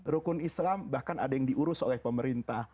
rukun islam bahkan ada yang diurus oleh pemerintah